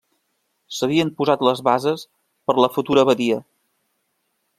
S'havien posat les bases per la futura abadia.